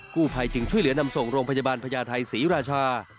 ผู้ภัยจึงช่วยเหลือนำส่งโรงพยาบาลพญาไทยศรีราชา